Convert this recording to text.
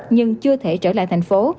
nhưng chưa thể trở lại thành phố